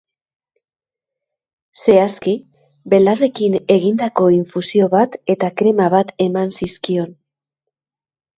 Zehazki, belarrekin egindako infusio bat eta krema bat eman zizkion.